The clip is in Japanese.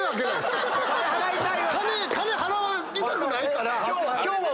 金払いたくないから。